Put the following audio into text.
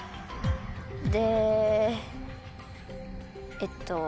でえっと